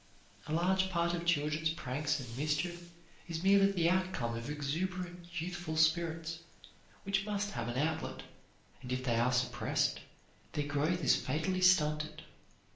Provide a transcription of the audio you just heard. A large part of children's pranks and mischief is merely the outcome of exuberant youthful spirits, which must have an outlet, and if they are suppressed, their growth is fatally stunted.